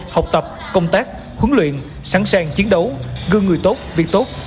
học tập công tác huấn luyện sẵn sàng chiến đấu gương người tốt việc tốt